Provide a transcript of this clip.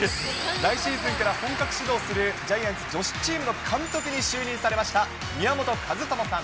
来シーズンから本格始動するジャイアンツ女子チームの監督に就任しました、宮本和知さん。